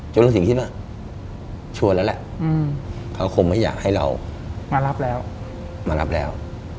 จนลุงสิงคิดว่าชัวร์แล้วแหละเขาคงไม่อยากให้เรามารับแล้ว